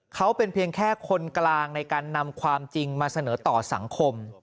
เขาเป็นเพียงแค่คนกลางในการนำความจริงมาเสนอต่อสังคม